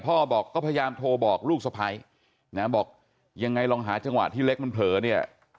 พ่อบอกก็พยายามโทรบอกลูกสะพ้ายนะบอกยังไงลองหาจังหวะที่เล็กมันเผลอเนี่ย